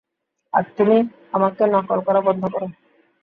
আর তুমি, আমাকে নকল করা বন্ধ করো।